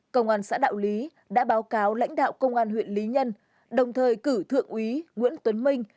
công an xã đạo lý đã báo cáo lãnh đạo công an huyện lý nhân đồng thời cử thượng úy nguyễn tuấn minh